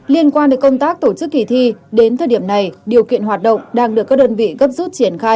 liên quan đến công tác tổ chức kỳ thi đến thời điểm này điều kiện hoạt động đang được các đơn vị gấp rút triển khai